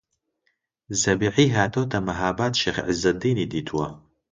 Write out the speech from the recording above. زەبیحی هاتۆتە مەهاباد شێخ عیززەدینی دیتووە